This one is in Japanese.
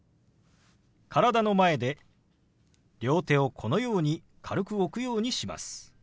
体の前で両手をこのように軽く置くようにします。